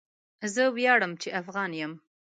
زه وياړم چي افغان یم